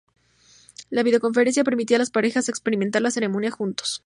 La videoconferencia permitía a las parejas a experimentar la ceremonia juntos.